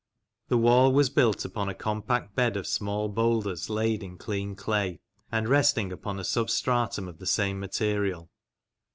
The wall was built upon a compact bed of small boulders laid in clean clay, and resting upon a substratum of the same material.